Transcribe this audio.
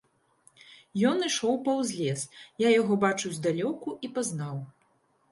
Ён ішоў паўз лес, я яго бачыў здалёку і пазнаў.